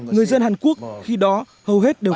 người dân hàn quốc khi đó hầu hết đều